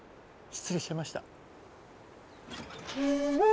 失礼しました。